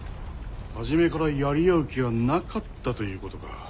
初めからやり合う気はなかったということか。